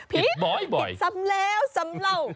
ผิดบ่อยผิดซ้ำแล้วซ้ำเรา